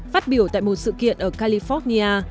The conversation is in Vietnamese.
phát biểu tại một sự kiện ở california